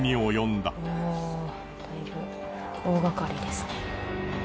だいぶ大がかりですね。